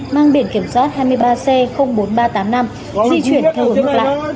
mang biển kiểm soát hai mươi ba c bốn nghìn ba trăm tám mươi năm di chuyển theo hướng ngược lại